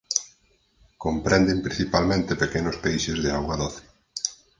Comprenden principalmente pequenos peixes de auga doce.